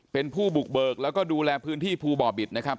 เป็นผู้บุกเบิกแล้วก็ดูแลพื้นที่ภูบ่อบิตนะครับ